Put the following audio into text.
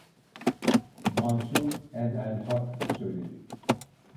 Mansur en’el hak söyledi.